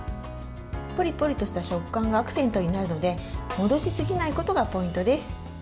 ポリポリとした食感がアクセントになるので戻しすぎないことがポイントです。